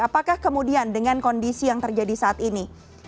apakah kemudian dengan kondisi yang terjadi saat ini